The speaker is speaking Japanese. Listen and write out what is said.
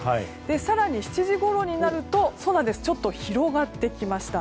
更に７時ごろになると広がってきました。